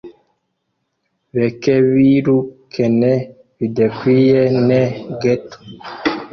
bekebirukene bidekwiye ne geto.